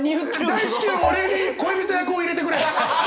大至急俺に恋人役を入れてくれ。